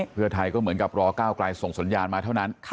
เพื่อไทยก็เหมือนกับรอก้าวไกลส่งสัญญาณมาเท่านั้น